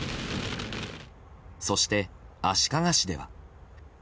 そして、足利市では。